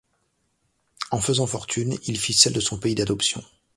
En faisant fortune, il fit celle de son pays d'adoption.